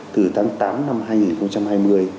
từ tháng tám năm hai nghìn hai mươi